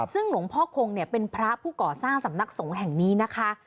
ซึ่งหลวงพ่อคงเนี่ยเป็นพระผู้ก่อสร้างสำนักสงฆ์แห่งนี้นะคะ